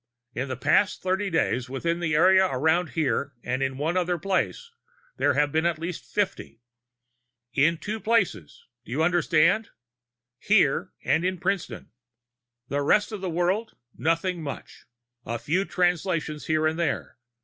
In the past thirty days, within the area around here and in one other place, there have been at least fifty. In two places, do you understand? Here and in Princeton. The rest of the world nothing much; a few Translations here and there.